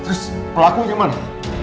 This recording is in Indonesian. terus pelakunya mana